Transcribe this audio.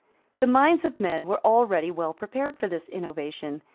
The minds of men were already well prepared for this innovation.